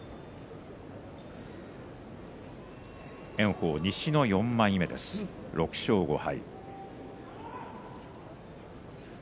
炎鵬は西の４枚目、６勝５敗。